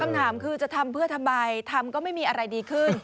คำถามคือจะทำเพื่อทำไมทำก็ไม่มีอะไรดีขึ้น